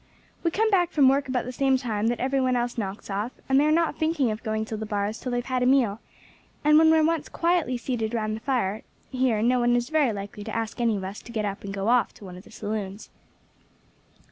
We come back from work about the same time that every one else knocks off, and they are not thinking of going to the bars till they have had a meal, and when we are once quietly seated round the fire here no one is very likely to ask any of us to get up and go off to one of the saloons."